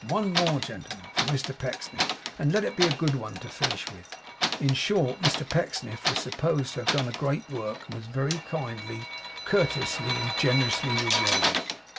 One more, gentlemen, for Mr Pecksniff, and let it be a good one to finish with! In short, Mr Pecksniff was supposed to have done a great work and was very kindly, courteously, and generously rewarded.